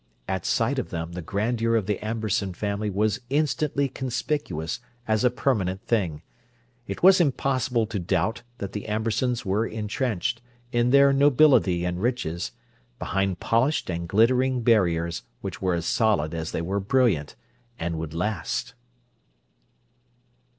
At sight of them the grandeur of the Amberson family was instantly conspicuous as a permanent thing: it was impossible to doubt that the Ambersons were entrenched, in their nobility and riches, behind polished and glittering barriers which were as solid as they were brilliant, and would last.